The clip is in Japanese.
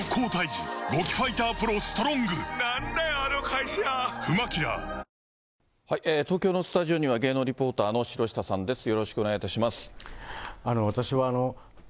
俳優、東京のスタジオには、芸能リポーターの城下さんです。